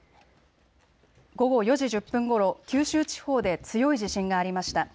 午後４時１０分ごろ、九州地方で強い地震がありました。